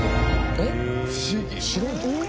えっ？